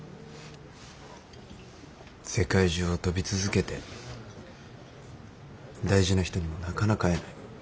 世界中を飛び続けて大事な人にもなかなか会えない。